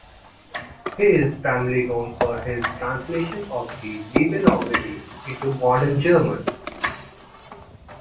He is primarily known for his translation of the "Nibelungenlied" into modern German.